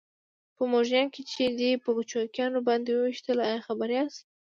په موډینا کې چې یې دی په چوکیانو باندې وويشتل ایا خبر یاست؟